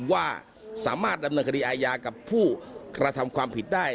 ว่าสามารถดำเนินคดีอาญากับผู้กระทำความผิดได้